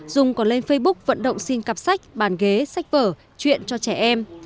dùng còn lên facebook vận động xin cặp sách bàn ghế sách vở chuyện cho trẻ em